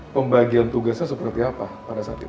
pembagian tugasnya seperti apa pada saat itu